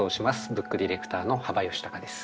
ブックディレクターの幅允孝です。